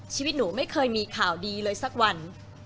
ชีวิตหนูไม่เคยมีข่าวดีเลยสักวัน